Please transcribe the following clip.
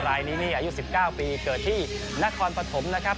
อายุ๑๙ปีเกิดที่นครปฐมครับ